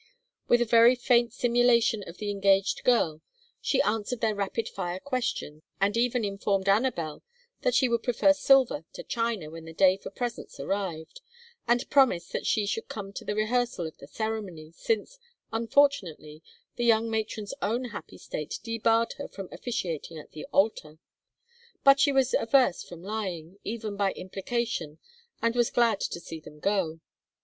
With a very fair simulation of the engaged girl she answered their rapid fire of questions, and even informed Anabel that she would prefer silver to china when the day for presents arrived, and promised that she should come to the rehearsal of the ceremony, since, unfortunately, the young matron's own happy state debarred her from officiating at the altar. But she was averse from lying, even by implication, and was glad to see them go.